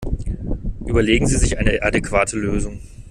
Überlegen Sie sich eine adäquate Lösung!